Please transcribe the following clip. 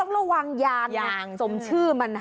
แต่ก็ต้องระวังยางสมชื่อมัน